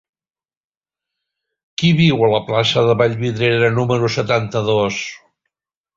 Qui viu a la plaça de Vallvidrera número setanta-dos?